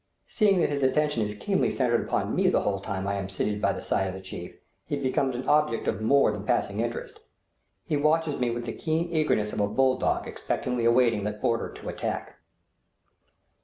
Seeing that his attention is keenly centred upon me the whole time I am sitting by the side of his chief, he becomes an object of more than passing interest. He watches me with the keen earnestness of a bull dog expectantly awaiting the order to attack.